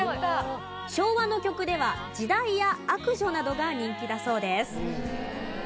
昭和の曲では『時代』や『悪女』などが人気だそうです。